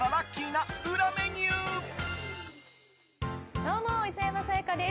どうも、磯山さやかです！